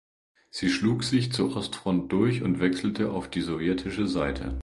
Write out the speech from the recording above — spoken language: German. Sie schlug sich zur Ostfront durch und wechselte auf die sowjetische Seite.